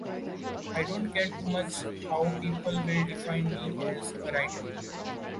I don't care too much how people will define me as a writer.